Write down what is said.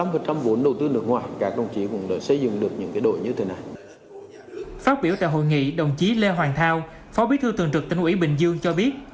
phát biểu tại hội nghị đồng chí lê hoàng thao phó bí thư tường trực tỉnh ủy bình dương cho biết